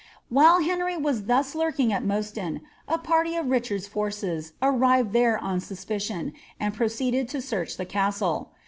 While Henry was thus lurking at Mostyn, a party of Richard's forces arrived there on suspicion, and pro ceeded to search the castle.